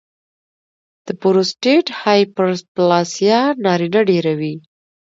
د پروسټیټ هایپرپلاسیا نارینه ډېروي.